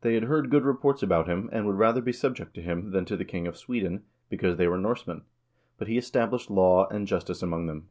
They had heard good reports about him, and would rather be subject to him than to the king of Sweden, because they were Norsemen. But he established law and justice among them."